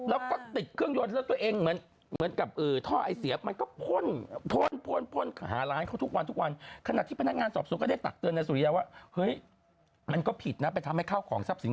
เอาเขาฟังได้โดยเฟ้วซอดแล้วก็ติดเครื่องยนต์แล้วตัวเอง